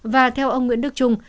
và theo ông nguyễn đức trung